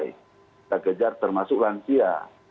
kita kejar termasuk lansia